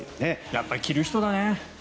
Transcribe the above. やっぱり着る人だね。